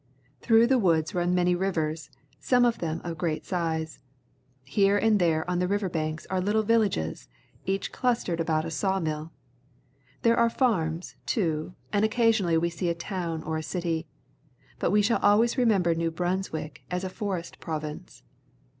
Through the woods run many rivers, some of them of great size. Here and tliere on the river banks are little villages, each clustered about a saw mill. There are farms, too, and occasionally we see a town or a city. But we shall always re member New Brunswick as a forest province.